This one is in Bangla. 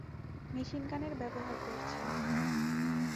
মেশিন গানের ব্যবহার করছি।